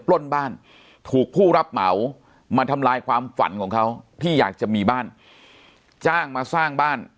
ปล้นบ้านถูกผู้รับเหมามาทำลายความฝันของเขาที่อยากจะมีบ้านจ้างมาสร้างบ้าน